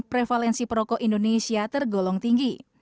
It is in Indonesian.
prevalensi perokok indonesia tergolong tinggi